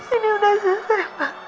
ini udah selesai pak